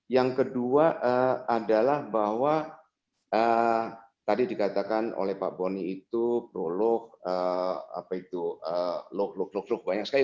yang kedua adalah bahwa tadi dikatakan oleh pak boni itu prologue apa itu log log log banyak sekali